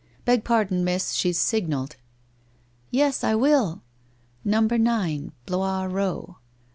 Beg pardon, Miss, she's signalled !' 'Yes, I will. No. 9 Blois Row!